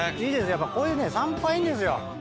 やっぱこういうね散歩がいいんですよ。